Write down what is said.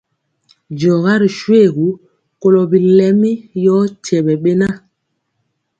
Diɔga ri shoégu, kɔlo bilɛmi yor tyebɛna.